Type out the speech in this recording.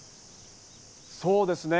そうですね。